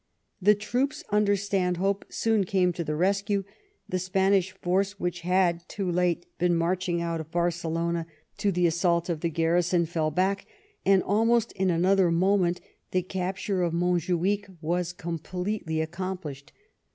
The troops under Stan hope soon came to the rescue. The Spanish force, which had, too late, been marching out of Barcelona to the assault of the garrison, fell back, and almost in another moment the capture of Monjuich was com pletely accomplished.